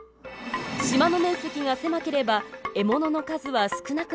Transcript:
島の面積が狭ければ獲物の数は少なくなります。